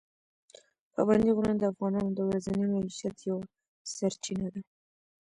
پابندي غرونه د افغانانو د ورځني معیشت یوه سرچینه ده.